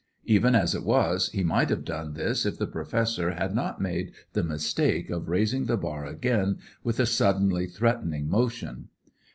Even as it was, he might have done this if the Professor had not made the mistake of raising the bar again, with a suddenly threatening motion.